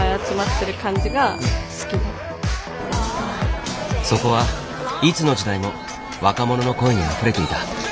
そこはいつの時代も若者の声にあふれていた。